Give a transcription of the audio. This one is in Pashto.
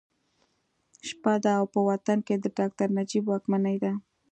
شپه ده او په وطن کې د ډاکټر نجیب واکمني ده